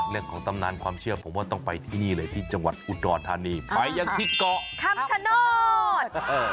ตำนานความเชื่อผมว่าต้องไปที่นี่เลยที่จังหวัดอุดรธานีไปยังที่เกาะคำชโนธ